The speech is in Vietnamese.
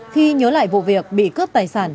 khi nhớ lại vụ việc bị cướp tài sản